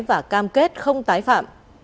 và cam kết không tái phạm